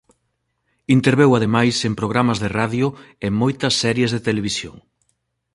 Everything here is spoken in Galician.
Interveu ademais en programas de radio e moitas series de televisión.